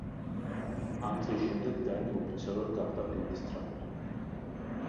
ამ დღის შემდეგ, დანი ოფიციალურად გახდა ბენდის დრამერი.